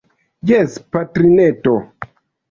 Jes, patrineto.